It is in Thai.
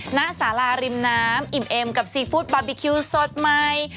ณสาราริมน้ำอิ่มเอ็มกับซีฟู้ดบาร์บีคิวสดใหม่